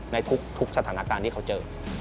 ในทุกสถานการณ์ที่เขาเจอ